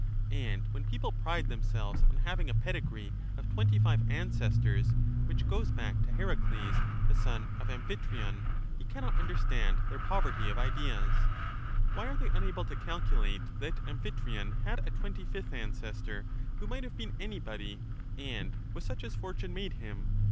And when people pride themselves on having a pedigree of twenty five ancestors, which goes back to Heracles, the son of Amphitryon, he cannot understand their poverty of ideas. Why are they unable to calculate that Amphitryon had a twenty fifth ancestor, who might have been anybody, and was such as fortune made him, and he Digitized by VjOOQIC 234 The philosopher and lawyer compared.